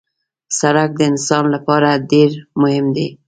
سړک د انسان لپاره ډېر مهم دی.